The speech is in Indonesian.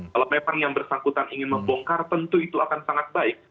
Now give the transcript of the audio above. kalau memang yang bersangkutan ingin membongkar tentu itu akan sangat baik